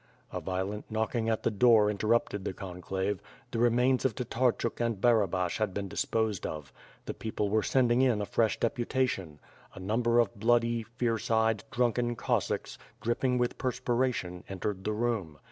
A violent knocking at the door interrupted the conclave. The remains of Tatarchuk and Barabash had been disposed of. The people 'wcro send in sj a fresh deputation. A number of bloody, fierce eyed, drunken Cossacks, dripping with per spiration, entered the room.